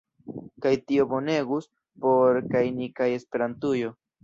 Kaj tio bonegus por kaj ni kaj Esperantujo.